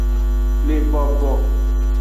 Le bobo.